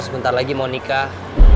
sebentar lagi mau nikah